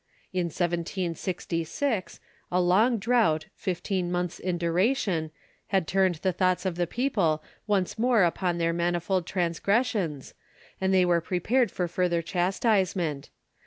In 1766, a long drought, fifteen months in duration, had turned the thoughts of the people once more upon their manifold transgressions, and they were prepared for further chastisement.